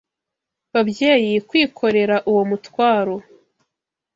babyeyi kwikorera uwo mutwaro